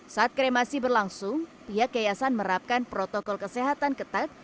saat kremasi berlangsung pihak yayasan merapkan protokol kesehatan ketat